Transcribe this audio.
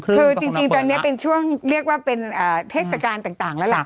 กระทงนั้นเปิดครับคือจริงตอนนี้เป็นช่วงเรียกว่าเป็นเทศกาลต่างแล้วล่ะ